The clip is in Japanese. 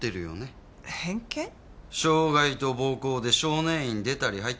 傷害と暴行で少年院出たり入ったりのクズ。